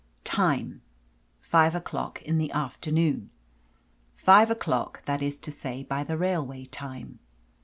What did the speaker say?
Time: Five o'clock in the afternoon. Five o'clock, that is to say, by the railway time.